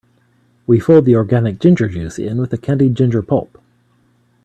We fold the organic ginger juice in with the candied ginger pulp.